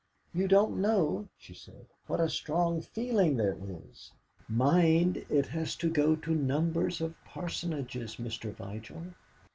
"You don't know," she said, "what a strong feeling there is. Mind, it has to go to numbers of parsonages, Mr. Vigil.